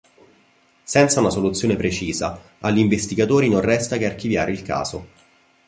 Senza una soluzione precisa, agli investigatori non resta che archiviare il caso.